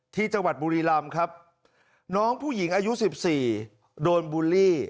ที่จังหวัดบุรีรำครับน้องผู้หญิงอายุ๑๔โดนบูลลี่